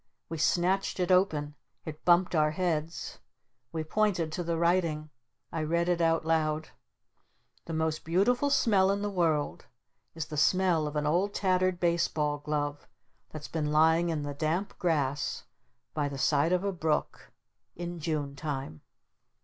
We snatched it open. It bumped our heads. We pointed to the writing. I read it out loud. The most beautiful smell in the world is the smell of an old tattered baseball glove that's been lying in the damp grass by the side of a brook in June Time.